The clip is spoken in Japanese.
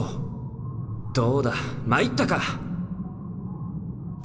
どうだ参ったか！